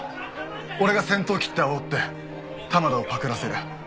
俺が先頭切ってあおって玉田をパクらせる。